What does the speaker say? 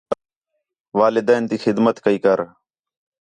وَالدین تی خدمت کَئی کر